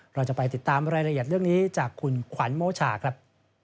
เราจะไปติดตามรายละเอียดเรื่องนี้จากคุณขวัญโมชาครับ